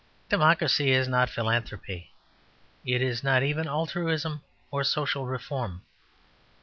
Democracy is not philanthropy; it is not even altruism or social reform.